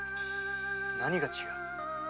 何が違う？